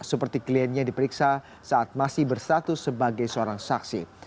seperti kliennya diperiksa saat masih berstatus sebagai seorang saksi